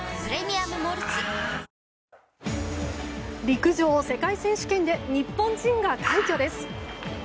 陸上世界選手権で日本人が快挙です。